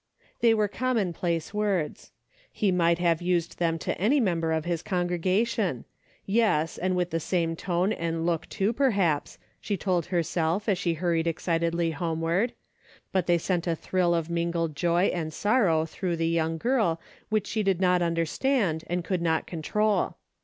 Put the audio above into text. '' They were commonplace words. He might have used them to any member of his congre gation ; yes, and with the same tone and look too, perhaps, she told herself as she hurried excitedly homeward, but they sent a thrill of mingled joy and sorrow through the young 322 A DAILY BATE. girl which she did not understand and could not control.